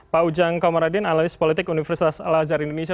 pak ujang komaradin analis politik universitas al azhar indonesia